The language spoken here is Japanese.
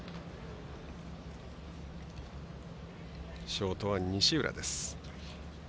ショートは西浦です。